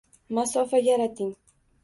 Masofa yarating.